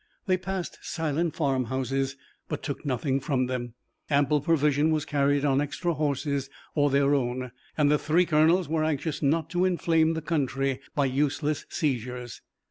They passed silent farm houses, but took nothing from them. Ample provision was carried on extra horses or their own, and the three colonels were anxious not to inflame the country by useless seizures.